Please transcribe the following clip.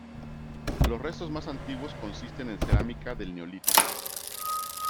Los restos más antiguos consisten en cerámica del neolítico.